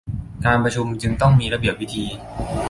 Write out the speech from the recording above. การประชุมจึงต้องมีระเบียบวิธี